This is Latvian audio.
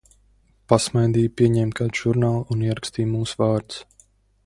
Pasmaidīja, paņēma kādu žurnālu un ierakstīja mūsu vārdus.